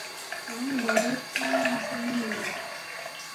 یانی بارود کھیونگ، ناسی مے مینید